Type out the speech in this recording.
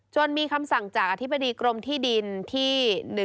มีคำสั่งจากอธิบดีกรมที่ดินที่๑